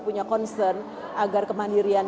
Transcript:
punya concern agar kemandiri